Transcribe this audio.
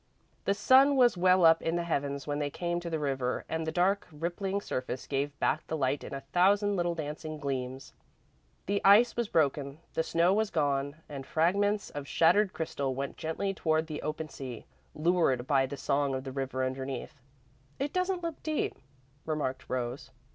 The sun was well up in the heavens when they came to the river, and the dark, rippling surface gave back the light in a thousand little dancing gleams. The ice was broken, the snow was gone, and fragments of shattered crystal went gently toward the open sea, lured by the song of the river underneath. "It doesn't look deep," remarked Rose.